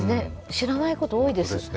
知らないこと多いです。